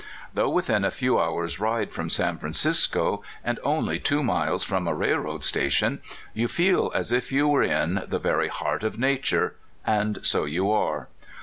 Though within a few hours' ride of San Francisco, and only two miles from a railroad sta tion, you feel as if you were in the very heart of nature and so you are.